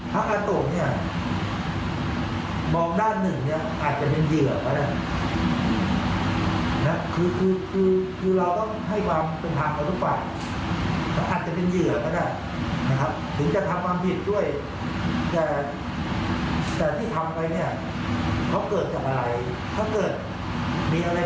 พระกาโตเนี่ยมองด้านหนึ่งเนี่ยอาจจะเป็นเหยื่อก็ได้